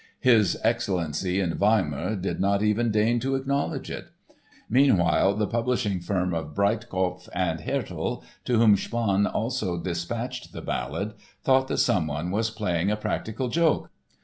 His Excellency in Weimar did not even deign to acknowledge it. Meanwhile the publishing firm of Breitkopf und Härtel, to whom Spaun also dispatched the ballad, thought that someone was playing a practical joke.